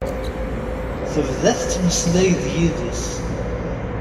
Tebda tettmeslay d yid-s.